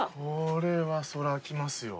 これはそら来ますよ。